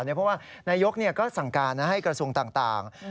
เพราะว่านายกก็สั่งการให้กระทรวงต่าง